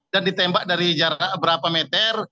dan ditembak dari jarak berapa meter